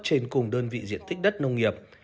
trên cùng đơn vị diện tích đất nông nghiệp